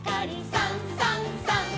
「さんさんさん」